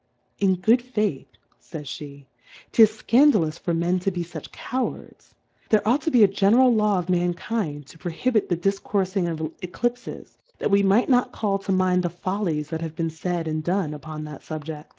In good FaithJi^vj J/^t^'tis fcandalous for Men to be fuch Cowards ; there ought to be a general Law of Mankind to prohibit the difcourfing of Eciipfes, that we might not call to mind the Follies that have been laid, and done, upon that SubjeQ